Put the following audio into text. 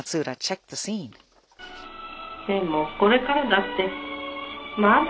でもこれからだって、まだ。